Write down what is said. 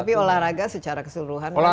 tapi olahraga secara keseluruhan bagus sih